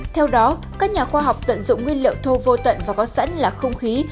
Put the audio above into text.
theo đó các nhà khoa học tận dụng nguyên liệu thô vô tận và có sẵn là không khí